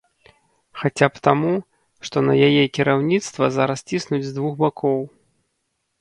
Хаця б таму, што на яе кіраўніцтва зараз ціснуць з двух бакоў.